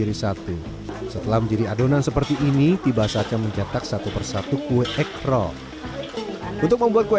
dalam jari adonan seperti ini tiba saja mencetak satu persatu kue eggroll untuk membuat kue